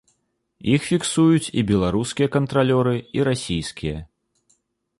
Іх фіксуюць і беларускія кантралёры, і расійскія.